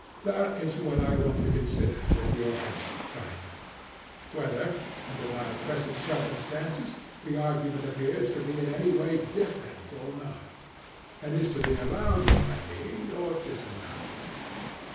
That is what I want to consider with your help, Crito: whether, under my present circumstances, the argument appears to be in any way different or not; and is to be allowed by me or disallowed.